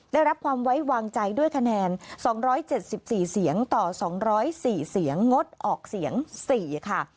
ได้รับความไว้วางใจด้วยคะแนน๒๗๔เสียงต่อ๒๐๔เสียงงดออกเสียง๔ค่ะ